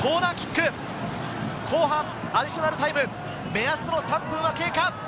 後半アディショナルタイム目安の３分は経過。